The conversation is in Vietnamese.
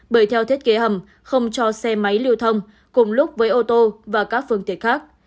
bởi theo thiết kế hầm không cho xe máy lưu thông cùng lúc với ô tô và các phương tiện khác